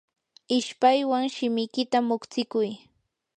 ishpaywan shimikita muqstikuy.